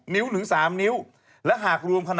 นิ้วถึง๓นิ้ว